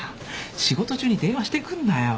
仕事中に電話してくんなよ。